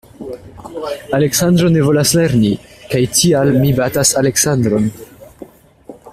Aleksandro ne volas lerni, kaj tial mi batas Aleksandron.